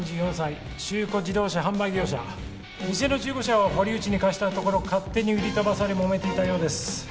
３４歳中古自動車販売業者店の中古車を堀内に貸したところ勝手に売り飛ばされもめていたようです